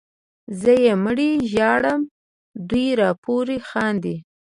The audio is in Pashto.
زه یې مړی ژاړم دوی راپورې خاندي